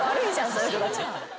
その人たち。